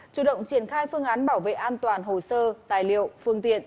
chủ động triển khai phương án bảo vệ an toàn hồ sơ tài liệu phương tiện